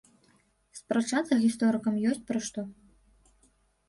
Спрачацца гісторыкам ёсць пра што.